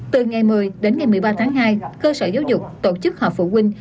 từ ngày một mươi đến ngày một mươi ba tháng hai cơ sở giáo dục tổ chức họp phụ huynh